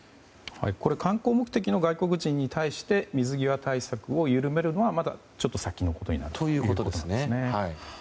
観光目的の外国人に対して水際対策を緩めるのはまだ先のことになると。ということですね。